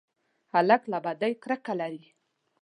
هلک له بدۍ کرکه لري.